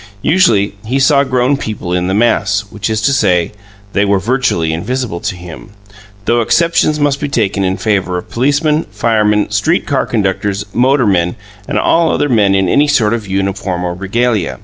Usually he saw grown people in the mass, which is to say, they were virtually invisible to him, though exceptions must be taken in favour of policemen, firemen, street car conductors, motormen, and all other men in any sort of uniform or regalia.